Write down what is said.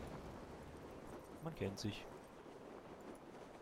Man kennt sich.